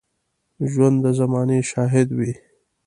ژوندي د زمانې شاهد وي